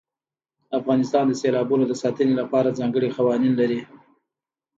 افغانستان د سیلابونو د ساتنې لپاره ځانګړي قوانین لري.